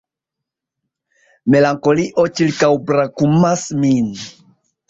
Melankolio ĉirkaŭbrakumas min.